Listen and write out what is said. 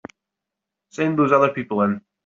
Send those other people in.